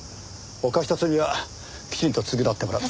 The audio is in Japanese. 犯した罪はきちんと償ってもらう。